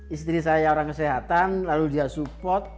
istri saya orang kesehatan lalu dia support